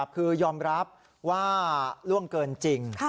คือยอมรับว่าล่วงเกินจริง